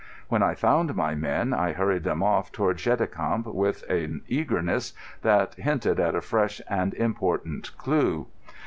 When I found my men, I hurried them off toward Cheticamp with an eagerness that hinted at a fresh and important clue.